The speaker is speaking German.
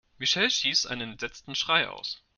Michelle stieß einen entsetzten Schrei aus.